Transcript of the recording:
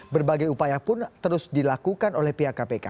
berbagai upaya pun terus dilakukan oleh pihak kpk